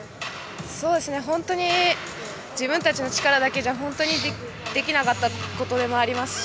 本当に自分たちの力だけじゃできなかったこともありますし